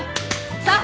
さあ！